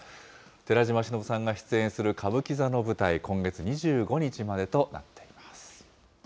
寺島しのぶさんが出演する歌舞伎座の舞台、今月２５日までとなっています。